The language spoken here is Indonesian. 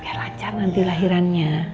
biar lancar nanti lahirannya